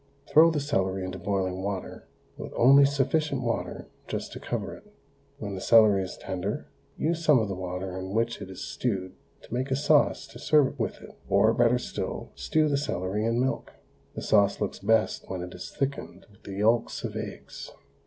Throw the celery into boiling water, with only sufficient water just to cover it. When the celery is tender use some of the water in which it is stewed to make a sauce to serve with it, or better still, stew the celery in milk. The sauce looks best when it is thickened with the yolks of eggs.